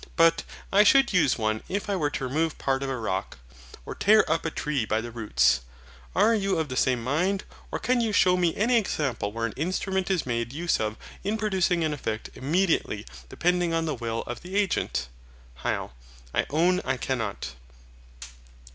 But I should use one if I were to remove part of a rock, or tear up a tree by the roots. Are you of the same mind? Or, can you shew any example where an instrument is made use of in producing an effect IMMEDIATELY depending on the will of the agent? HYL. I own I cannot.